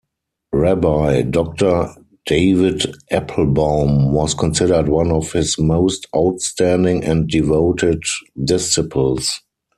Rabbi Doctor David Applebaum was considered one of his most outstanding and devoted disciples.